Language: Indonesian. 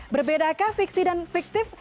berbedakah fiksi dan fiktif